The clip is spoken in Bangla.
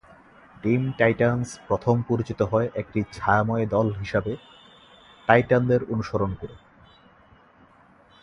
টিম টাইটানস প্রথম পরিচিত হয় একটি ছায়াময় দল হিসাবে টাইটানদের অনুসরণ করে।